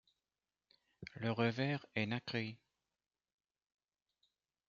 Le revers est nacré.